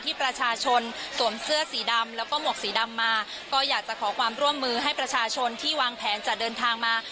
ประชาชนสวมเสื้อสีดำแล้วก็หมวกสีดำมาก็อยากจะขอความร่วมมือให้ประชาชนที่วางแผนจะเดินทางมา